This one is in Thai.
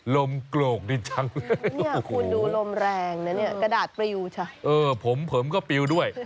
ลมโกรกดีจังเลยเนี่ยคุณดูลมแรงนะเนี่ยกระดาษปริวใช่เออผมผมก็ปลิวด้วย